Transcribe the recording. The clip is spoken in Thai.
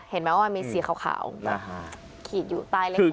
เห็นไหมว่ามีสีขาวแต่ขีดอยู่ตายเลข๖